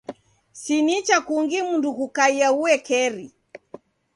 Si nicha kungi mndu kukaia uekeri.